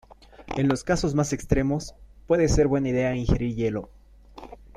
En los casos más extremos, puede ser buena idea ingerir hielo.